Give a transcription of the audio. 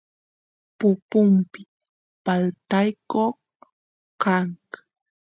pupumpi paltayoq kan